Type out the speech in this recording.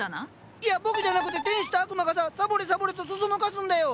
いや僕じゃなくて天使と悪魔がさサボれサボれとそそのかすんだよ！